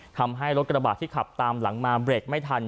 ทำให้รถกระบาดที่ขับตามหลังมาเบรกไม่ทัน